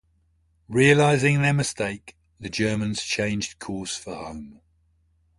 Realising their mistake, the Germans changed course for home.